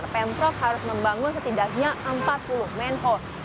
pemprov harus membangun setidaknya empat puluh menpot